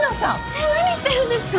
えっ何してるんですか？